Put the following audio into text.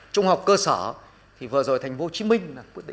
trung học cơ sở thì vừa rồi thành phố hồ chí minh